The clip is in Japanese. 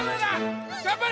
頑張れ！